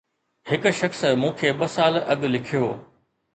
هڪ شخص مون کي ٻه سال اڳ لکيو